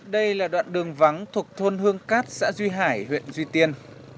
đây là đoạn đường vắng thuộc thôn hương cát xã duy hải huyện duy tiên